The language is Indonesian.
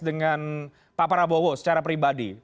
dengan pak prabowo secara pribadi